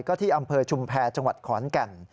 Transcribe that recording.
ก็ที่อำเภอชุมแพรจังหวัดขอนแก่น